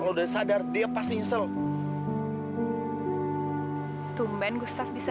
yaudah terserah lu mau apa